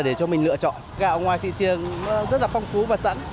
để cho mình lựa chọn gạo ngoài thị trường nó rất là phong phú và sẵn